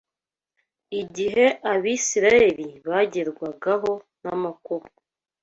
Igihe Abisirayeli bagerwagaho n’amakuba